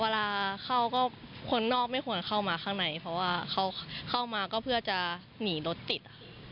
เวลาเข้าก็คนนอกไม่ควรเข้ามาข้างในเพราะว่าเขาเข้ามาก็เพื่อจะหนีรถติด